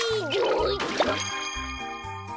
あっ。